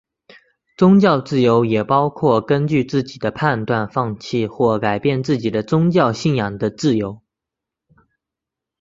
宗教自由也包括根据自己的判断放弃或改变自己的宗教信仰的自由。